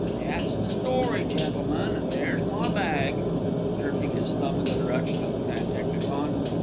"That's the story, gentlemen, and there's my bag," jerking his thumb in the direction of the pantechnicon.